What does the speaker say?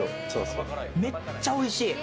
めっちゃおいしい。